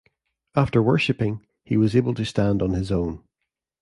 After worshiping, he was able to stand on his own.